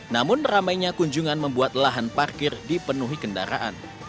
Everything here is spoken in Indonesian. namun ramainya kunjungan membuat lahan parkir dipenuhi kendaraan